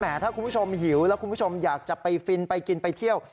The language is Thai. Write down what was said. ถ้าคุณผู้ชมหิวแล้วคุณผู้ชมอยากจะไปฟินไปกินไปเที่ยว